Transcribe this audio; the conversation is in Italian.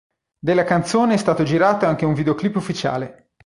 Della canzone è stato girato anche un videoclip ufficiale.